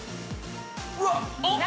うわっ！